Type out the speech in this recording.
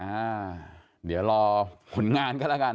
อ่าเดี๋ยวรอผลงานกันแล้วกัน